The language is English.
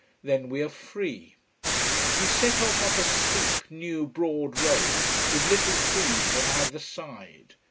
Then we are free. We set off up a steep, new, broad road, with little trees on either side.